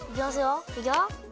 いくよ。